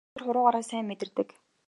Тэр хуруугаараа сайн мэдэрдэг.